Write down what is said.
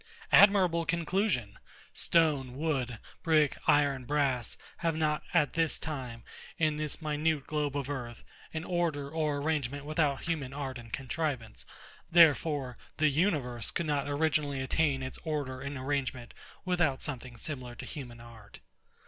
Admirable conclusion! Stone, wood, brick, iron, brass, have not, at this time, in this minute globe of earth, an order or arrangement without human art and contrivance; therefore the universe could not originally attain its order and arrangement, without something similar to human art.